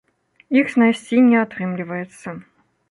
Іх знайсці не атрымліваецца.